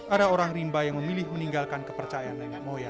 ada orang rimba yang memilih meninggalkan kepercayaan nenek moyang